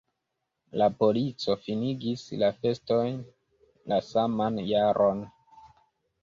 La polico finigis la festojn la saman jaron.